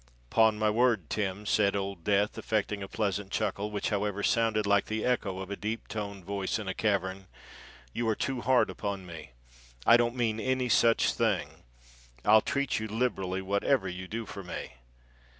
"'Pon my word, Tim," said Old Death, affecting a pleasant chuckle, which however sounded like the echo of a deep toned voice in a cavern, "you are too hard upon me. I don't mean any such thing. I'll treat you liberally whatever you do for me."